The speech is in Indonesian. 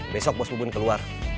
besok bos bubun keluar